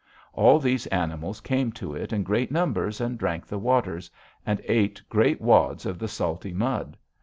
All these animals came to it in great numbers, and drank the waters, and ate great wads of the salty mud.